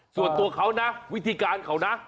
ส่วนตัวเขานะวิธีการเขานะ